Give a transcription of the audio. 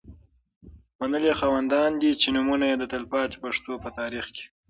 منلي خاوندان دي. چې نومونه یې د تلپا تي پښتو په تاریخ کي